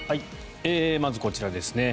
まずこちらですね。